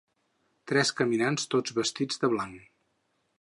tres caminants tots vestits de blanc.